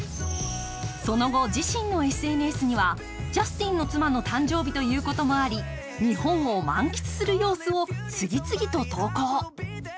その後、自身のＳＮＳにはジャスティンの妻の誕生日ということもあり日本を満喫する様子を次々と投稿。